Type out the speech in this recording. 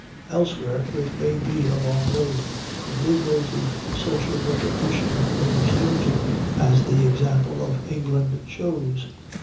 Elsewhere it may be a long road from legal to social recognition of religious liberty, as the example of England shows.